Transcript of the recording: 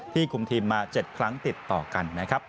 คุมทีมมา๗ครั้งติดต่อกันนะครับ